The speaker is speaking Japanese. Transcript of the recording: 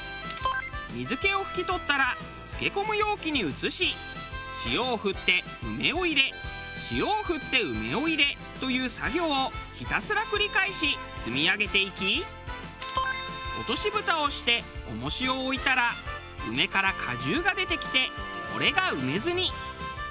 水気を拭き取ったら漬け込む容器に移し塩を振って梅を入れ塩を振って梅を入れという作業をひたすら繰り返し積み上げていき落とし蓋をして重石を置いたら梅から果汁が出てきてこれが梅酢に。